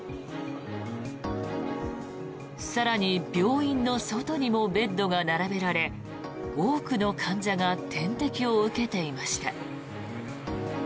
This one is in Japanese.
更に、病院の外にもベッドが並べられ多くの患者が点滴を受けていました。